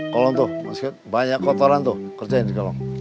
kolong tuh banyak kotoran tuh kerjain di kolong